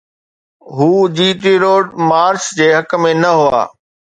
هو G T road march جي حق ۾ نه هئا.